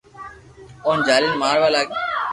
اوني جالين ماروا لاگي